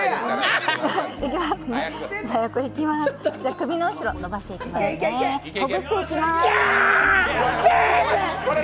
首の後ろ、ほぐしていきます